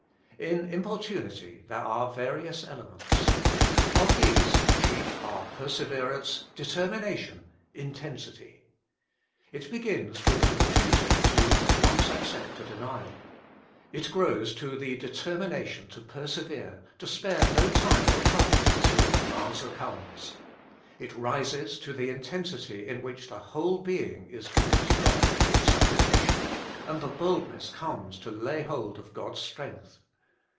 In importunity there are various elements. Of these the chief are perseverance, determination, intensity. It begins with the refusal to at once accept a denial. It grows to the determination to persevere, to spare no time or trouble, till an answer comes. It rises to the intensity in which the whole being is given to God in supplication, and the boldness comes to lay hold of God s strength.